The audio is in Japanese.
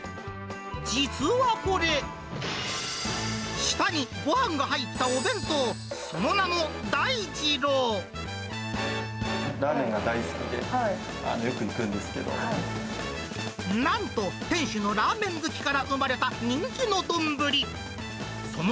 実はこれ、下にごはんが入ったお弁当、その名も、ラーメンが大好きで、よく行なんと、店主のラーメン好きから生まれた人気の丼。